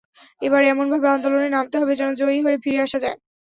এবার এমনভাবে আন্দোলনে নামতে হবে, যেন জয়ী হয়ে ফিরে আসা যায়।